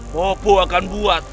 popo akan buat